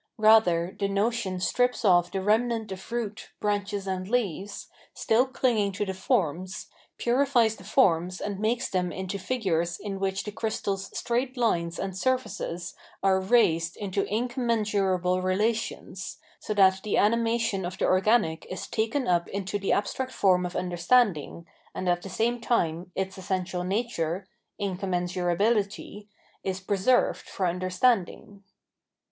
Rather the notion strips ofi 717 718 Phenomenology of Mind th.e rft Ttrn a.nfi of loot, bianckes and leaves, still clinging to the forms, pniihes the forms and makes them into figures ia which the crystal's straight lines and surfaces are raised into incommensurable relations, so that the animation of the organic is taken up into the abstract form of understanding, and, at the same time, its essential nature — incommensurabihty — is preserved for understanding.